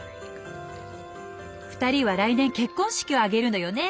２人は来年結婚式を挙げるのよね。